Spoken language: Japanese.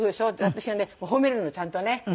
私がね褒めるのちゃんとね。